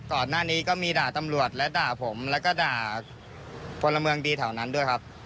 ก่อนหน้านี้ก็มีด่าตำรวจและด่าผมแล้วก็ด่าพลเมืองดีแถวนั้นด้วยครับ